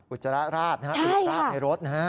อุจจาระราดนะครับอุจจาระราดในรถนะฮะ